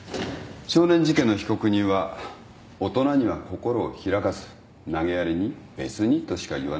少年事件の被告人は大人には心を開かず投げやりに「別に」としか言わないケースが多いんです。